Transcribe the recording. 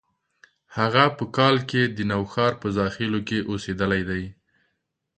هغه په کال کې د نوښار په زاخیلو کې زیږېدلي دي.